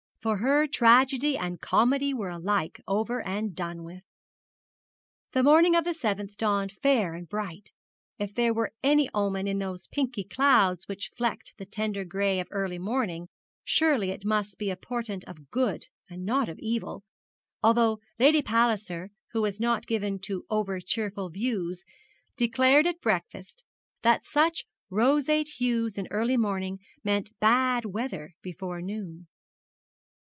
For her tragedy and comedy were alike over and done with. The morning of the seventh dawned fair and bright. If there were any omen in those pinky clouds which flecked the tender gray of early morning, surely it must be a portent of good and not of evil; although Lady Palliser, who was not given to over cheerful views, declared at breakfast that such roseate hues in early morning meant bad weather before noon.